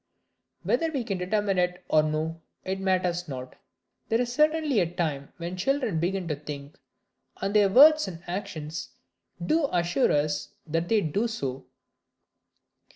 Whether we can determine it or no, it matters not, there is certainly a time when children begin to think, and their words and actions do assure us that they do so.